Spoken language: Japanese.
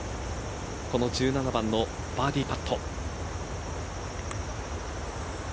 この１７番のバーディーパット。